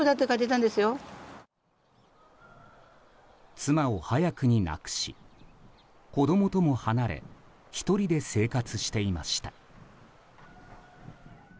妻を早くに亡くし子供とも離れ１人で生活していました。